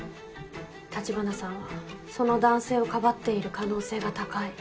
立花さんはその男性をかばっている可能性が高い。